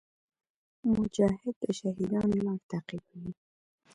مجاهد د شهیدانو لار تعقیبوي.